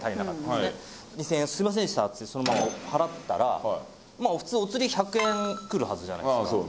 ２０００円すいませんでしたってそのまま払ったらまあ普通お釣り１００円来るはずじゃないですか